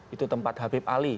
itu tempat habib ali